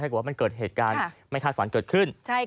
ว่ามันเกิดเหตุการณ์ไม่คาดฝันเกิดขึ้น